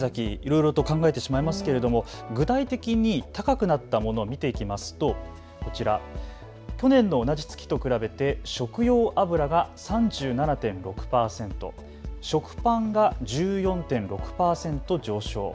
さきざき、いろいろと考えてしまいますけれども具体的に高くなったものを見ていきますと、こちら去年の同じ月と比べて食用油が３７．６％、食パンが１４．６％上昇。